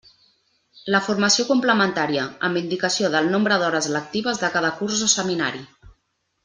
La formació complementaria, amb indicació del nombre d'hores lectives de cada curs o seminari.